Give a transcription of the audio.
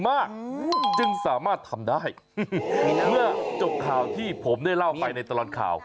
เมื่อจบข่าวที่ผมได้เล่าไปในตลอดข่าว